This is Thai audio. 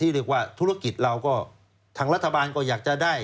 เรียกว่าธุรกิจเราก็ทางรัฐบาลก็อยากจะได้